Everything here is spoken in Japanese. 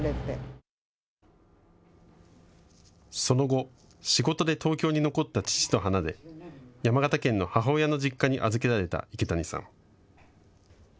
その後、仕事で東京に残った父と離れ山形県の母親の実家に預けられた池谷さん。